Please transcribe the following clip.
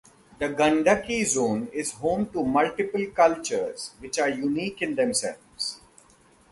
The Gandaki Zone is home to multiple cultures which are unique in themselves.